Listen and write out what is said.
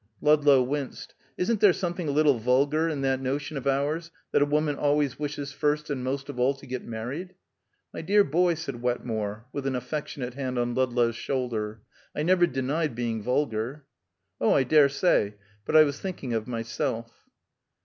Ludlow winced. "Isn't there something a little vulgar in that notion of ours that a woman always wishes first and most of all to get married?" "My dear boy," said Wetmore, with an affectionate hand on Ludlow's shoulder, "I never denied being vulgar." "Oh, I dare say. But I was thinking of myself."